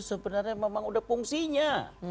sebenarnya memang sudah fungsinya